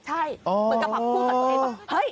ใช่เปิดกระป๋าพูดกับตัวเองว่าเฮ้ย